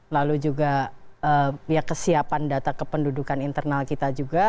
lalu juga ya kesiapan data kependudukan internal kita juga